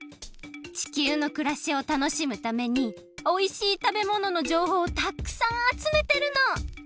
地球のくらしをたのしむためにおいしいたべもののじょうほうをたくさんあつめてるの！